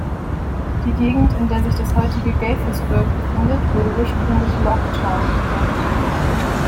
Die Gegend, in der sich das heutige Gaithersburg befindet, wurde ursprünglich „Log Town“ genannt.